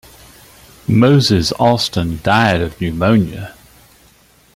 Moses Austin died of pneumonia.